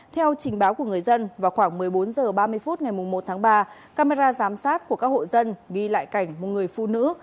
theo trình báo của người dân vào khoảng một mươi bốn h ba mươi phút ngày một tháng ba camera giám sát của các hộ dân ghi lại cảnh một người phụ nữ